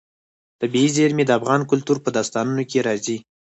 طبیعي زیرمې د افغان کلتور په داستانونو کې راځي.